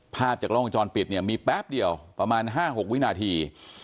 ภาพจากล้องวงจรปิดเนี่ยมีแป๊บเดียวประมาณ๕๖วินาที